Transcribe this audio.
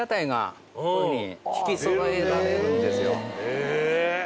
へえ！